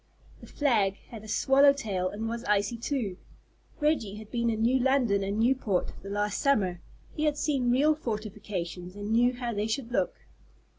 The flag had a swallow tail and was icy too. Reggie had been in New London and Newport the last summer, he had seen real fortifications and knew how they should look.